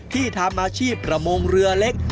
ที่ทำอาชีพประมงเรือเล็ก